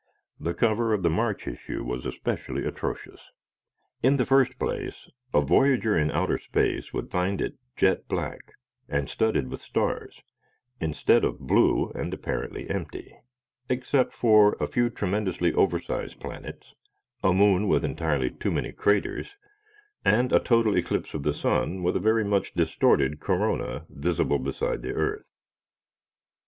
The cover of the March issue was especially atrocious. In the first place a voyager in outer space would find it jet black and studded with stars, instead of blue and apparently empty, except for a few tremendously oversize planets, a moon with entirely too many craters, and a total eclipse of the sun with a very much distorted corona visible beside the earth.